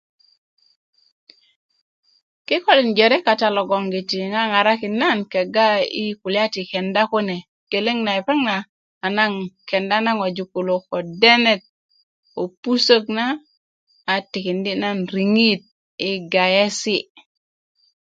kikolin jore kata logoŋgiti ŋaŋarakin nan kegga yi kulya ti kenda kune geleŋ na lepeŋ na a naŋ kenda na ŋojik kulo denet ko pusök na atikindi' nan riŋit yi gayesi'